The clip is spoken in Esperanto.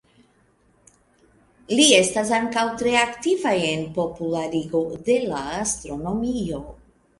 Li estas ankaŭ tre aktiva en popularigo de la astronomio.